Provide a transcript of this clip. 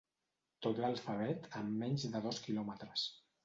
Tot l'alfabet en menys de dos quilòmetres.